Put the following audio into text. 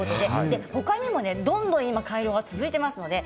他にもどんどん改良が続いています。